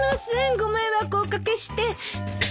ご迷惑お掛けして。